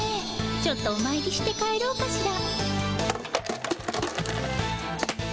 ちょっとおまいりして帰ろうかしら？